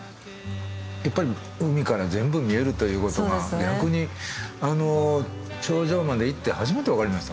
やっぱり海から全部見えるということが逆に頂上まで行って初めて分かりました。